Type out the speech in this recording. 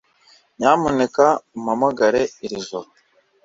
Nyamuneka umpamagare iri joro